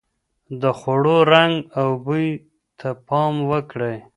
د خوړو رنګ او بوی ته پام وکړئ.